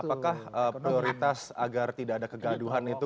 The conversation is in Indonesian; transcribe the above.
apakah prioritas agar tidak ada kegaduhan itu